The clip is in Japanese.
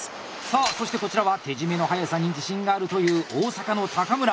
さあそしてこちらは手締めの速さに自信があるという大阪の高村。